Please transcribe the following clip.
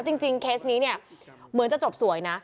เคสนี้เนี่ยเหมือนจะจบสวยนะ